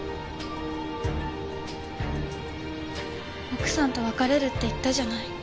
奥さんと別れるって言ったじゃない。